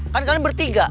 kan kalian bertiga